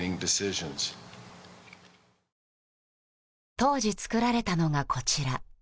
当時作られたのが、こちら。